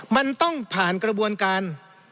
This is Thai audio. มันต้องผ่านกระบวนการ